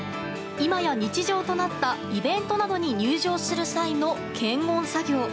今や日常となったイベントなどに入場する際の検温作業。